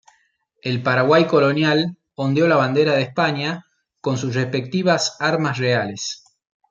El Paraguay colonial ondeó la Bandera de España, con sus respectivas armas reales.